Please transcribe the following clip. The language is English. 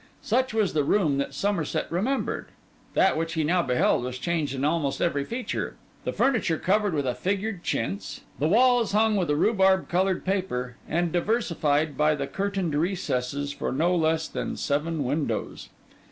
Such was the room that Somerset remembered; that which he now beheld was changed in almost every feature: the furniture covered with a figured chintz; the walls hung with a rhubarb coloured paper, and diversified by the curtained recesses for no less than seven windows.